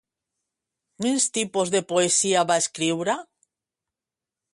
Quins tipus de poesia va escriure?